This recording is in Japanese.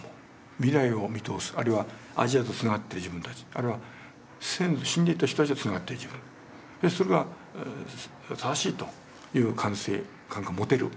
未来を見通すあるいはアジアとつながってる自分たち先祖死んでいった人たちとつながってる自分それが正しいという感性感覚が持てる状態ですね。